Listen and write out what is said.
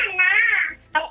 saya tidak ingat